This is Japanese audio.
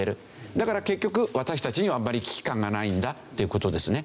だから結局私たちにはあんまり危機感がないんだっていう事ですね。